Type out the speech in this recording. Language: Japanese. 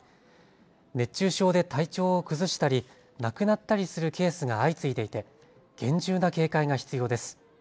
熱中症で体調を崩したり亡くなったりするケースが相次いでいて厳重な警戒が必要です。